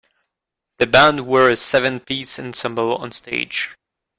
The band were a seven piece ensemble on stage.